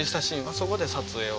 そこで撮影を。